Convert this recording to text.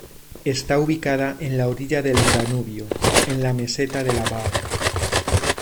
Está ubicada en la orilla del Danubio en la meseta de la Baar.